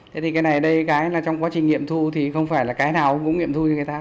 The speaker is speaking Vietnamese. thế thì cái này đây cái là trong quá trình nghiệm thu thì không phải là cái nào cũng nghiệm thu như người ta